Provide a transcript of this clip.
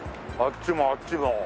あっちもあっちも。